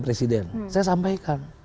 presiden saya sampaikan